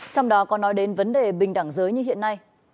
trong đó có nói đến vấn đề bình đẳng giới như hiện nay